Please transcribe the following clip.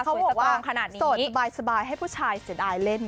สวยสตรองขนาดนี้เขาบอกว่าโสดสบายให้ผู้ชายเสียดายเล่น